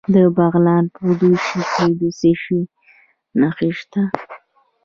د بغلان په دوشي کې څه شی شته؟